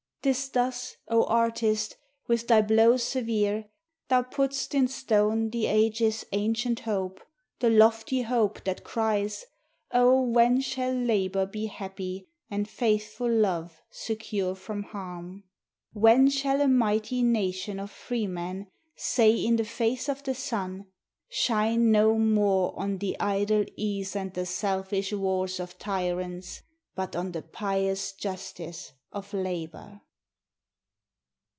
'Tis thus, O artist, with thy blows severe thou putt'st in stone the ages' ancient hope, the lofty hope that cries, "Oh, when shall labor be happy, and faithful love secure from harm? "When shall a mighty nation of freemen say in the face of the sun, 'Shine no more on the idle ease and the selfish wars of tyrants, but on the pious justice of labor?'"